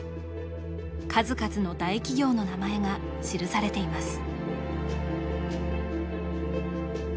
数々の大企業の名前が記されています